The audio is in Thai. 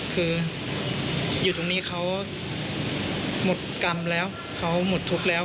คืออยู่ตรงนี้เขาหมดกรรมแล้วเขาหมดทุกข์แล้ว